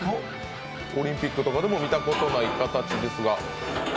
オリンピックとかでも見たことない形ですが。